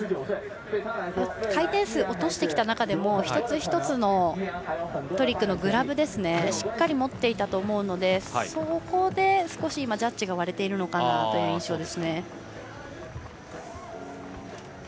回転数を落としてきた中で一つ一つのトリックのグラブをしっかり持っていたと思うのでそこでジャッジが割れているのかなという印象です。